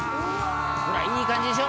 「ほらいい感じでしょ？」